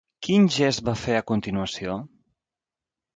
Quin gest va fer a continuació?